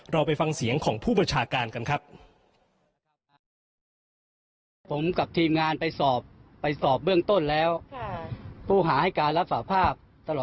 เราไปฟังเสียงของผู้บัญชาการกันครับ